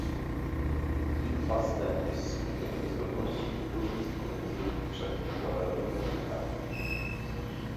Impas ten jest skutkiem niezgodności lub różnic pomiędzy przedkładanymi ofertami